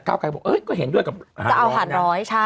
ก้าวกลายก็เห็นด้วยกับหารร้อยจะเอาหารร้อยใช่